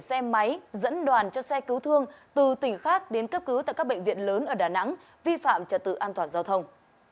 xe máy dẫn đoàn cho xe cứu thương từ tỉnh khác đến cấp cứu tại các bệnh viện lớn ở đà nẵng vi phạm trật tự an toàn giao thông